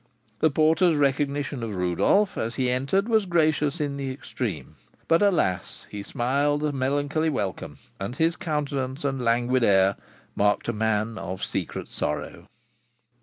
The porter's recognition of Rodolph as he entered was gracious in the extreme; but, alas! he smiled a melancholy welcome, and his countenance and languid air marked a man of secret sorrow.